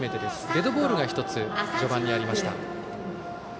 デッドボールが１つ序盤にありました。